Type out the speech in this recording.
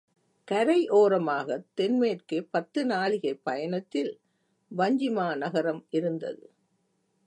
கரையோரமாகத் தென்மேற்கே பத்து நாழிகைப் பயணத்தில் வஞ்சிமாநகரம் இருந்தது.